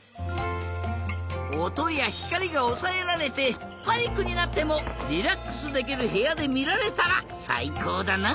おとやひかりがおさえられてパニックになってもリラックスできるへやでみられたらさいこうだな。